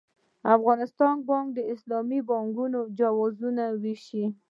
افغانستان بانک د اسلامي بانکوالۍ جوازونه وېشي.